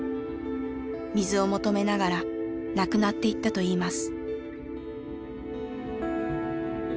水を求めながら亡くなっていったといいます。